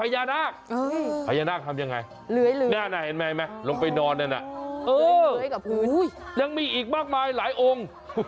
ยังมีอีกมากมายหลายองค์